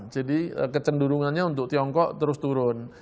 jadi kecenderungannya untuk tiongkok terus turun